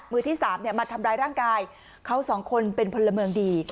ที่สามมาทำร้ายร่างกายเขาสองคนเป็นพลเมืองดี